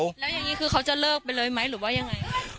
แล้วอย่างนี้คือเขาจะเลิกไปเลยไหมหรือว่ายังไง